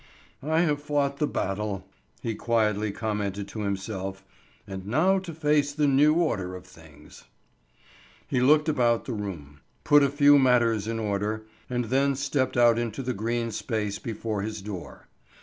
"I have fought the battle," he quietly commented to himself; "and now to face the new order of things!" He looked about the room, put a few matters in order, and then stepped out into the green space before his door.